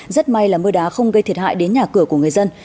rất may là mưa đá không gây thiệt hại đến nhà cửa của người dân